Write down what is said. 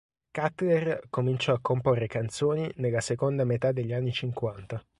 Cutler cominciò a comporre canzoni nella seconda metà degli anni cinquanta.